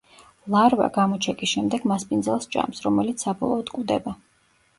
ლარვა გამოჩეკის შემდეგ მასპინძელს ჭამს, რომელიც საბოლოოდ კვდება.